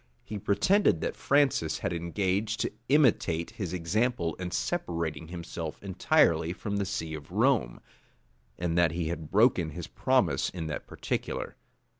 He pretended that Francis had engaged to imitate his example in separating himself entirely from the see of Rome, and that he had broken his promise in that particular.